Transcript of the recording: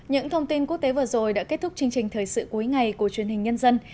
những thông tin quốc tế vừa rồi đã kết thúc chương trình thời sự cuối ngày của truyền hình nhân dân